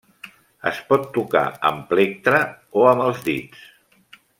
Es pot tocar amb plectre o amb els dits.